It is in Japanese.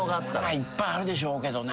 いっぱいあるでしょうけどね。